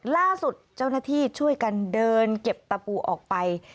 ล่าสุดเจ้าหน้าที่ช่วยกันเดินเก็บตะปูออกไป